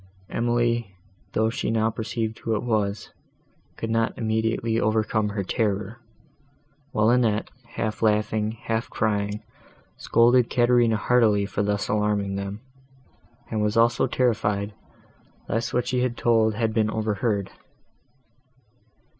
Emily, though she now perceived who it was, could not immediately overcome her terror; while Annette, half laughing, half crying, scolded Caterina heartily for thus alarming them; and was also terrified lest what she had told had been overheard.